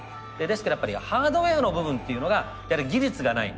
ですけどやっぱりハードウエアの部分っていうのがやはり技術がない。